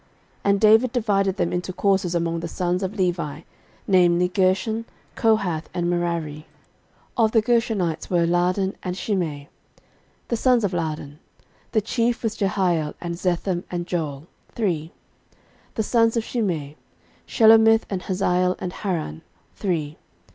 13:023:006 And David divided them into courses among the sons of Levi, namely, Gershon, Kohath, and Merari. 13:023:007 Of the Gershonites were, Laadan, and Shimei. 13:023:008 The sons of Laadan; the chief was Jehiel, and Zetham, and Joel, three. 13:023:009 The sons of Shimei; Shelomith, and Haziel, and Haran, three.